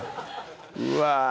うわ